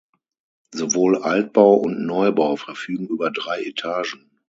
Sowohl Altbau und Neubau verfügen über drei Etagen.